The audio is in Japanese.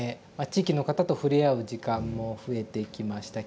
地域の方と触れ合う時間も増えていきました